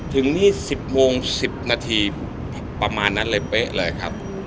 ถึง๒๐โมง๑๐นาทีประมาณนั้นเลยเป๊ะเลยครับ